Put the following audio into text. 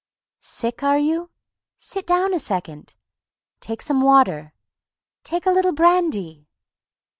"Sick, are you?" "Sit down a second!" "Take some water." "Take a little brandy...."